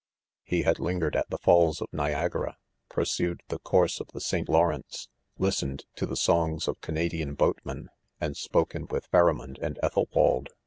He had lingered at the Falls of Ni^ agara, pursued the course of the St. Lawrence, listened to the songs of Canadian boatmen, and spoken with Pharamond ami Ethelwald.